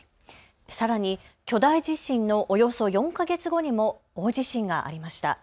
さらに巨大地震のおよそ４か月後にも大地震がありました。